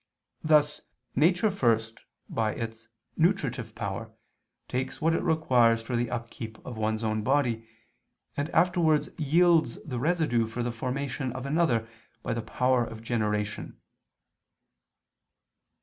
Thus nature first, by its nutritive power, takes what it requires for the upkeep of one's own body, and afterwards yields the residue for the formation of another by the power of generation.